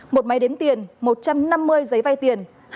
một máy đếm tiền một trăm năm mươi giấy vai tiền